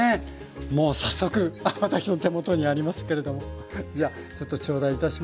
もう早速私の手元にありますけれどもじゃちょっと頂戴いたします。